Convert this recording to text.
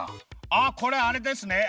あっこれあれですね。